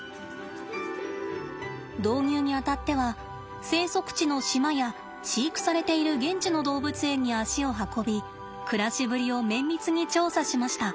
導入にあたっては生息地の島や飼育されている現地の動物園に足を運び暮らしぶりを綿密に調査しました。